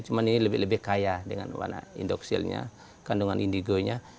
cuma ini lebih lebih kaya dengan warna indoksilnya kandungan indigo nya